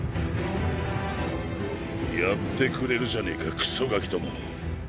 やってくれるじゃねえかクソガキども。